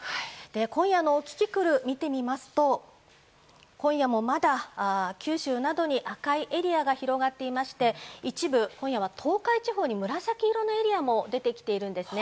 今夜のキキクルを見てみますと今夜もまだ九州などに赤いエリアが広がっていまして一部、今夜は東海地方に紫色のエリアも出てきているんですね。